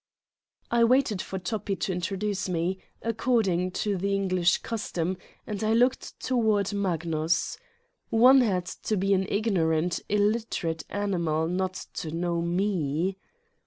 I waited for Toppi to introduce me, according 19 Satan's Diary to the English custom, and I looked toward Mag nus. One had to be an ignorant, illiterate animal not to know me.